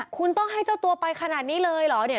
คุณต้องให้เจ้าตัวไปขนาดนี้เลยเหรอเนี่ย